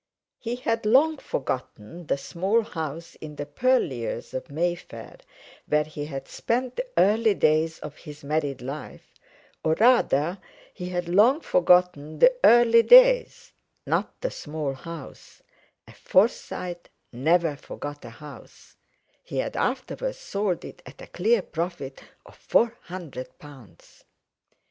He had long forgotten the small house in the purlieus of Mayfair, where he had spent the early days of his married life, or rather, he had long forgotten the early days, not the small house,—a Forsyte never forgot a house—he had afterwards sold it at a clear profit of four hundred pounds.